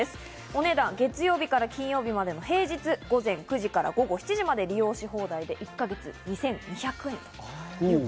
お値段、月曜日から金曜日までの平日、午前９時から午後７時まで利用し放題で、１か月２２００円。